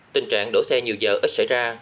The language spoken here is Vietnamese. tình trạng đỗ xe nhiều giờ ít xảy ra